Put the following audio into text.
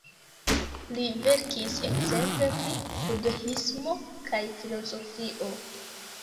Li verkis ekzemple pri budhismo kaj filozofio.